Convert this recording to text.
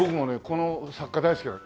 この作家大好きなの。